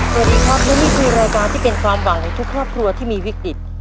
สวัสดีครับและนี่คือรายการที่เป็นความหวังของทุกครอบครัวที่มีวิกฤต